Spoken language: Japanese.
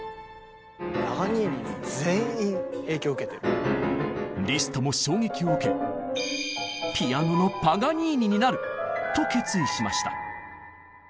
パガニーニにリストも衝撃を受け「ピアノのパガニーニになる」と決意しました。